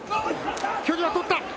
距離を取った！